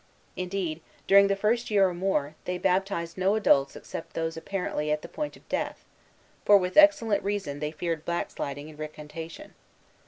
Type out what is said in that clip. Indeed, during the first year or more, they baptized no adults except those apparently at the point of death; for, with excellent reason, they feared backsliding and recantation.